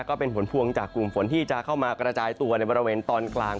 ก็เป็นผลพวงจากกลุ่มฝนที่จะเข้ามากระจายตัวในบริเวณตอนกลาง